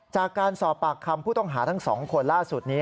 จากการสอบปากคำผู้ต้องหาทั้ง๒คนล่าสุดนี้